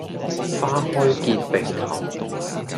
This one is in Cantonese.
花開結並頭